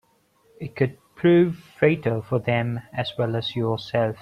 It could prove fatal for them as well as yourself.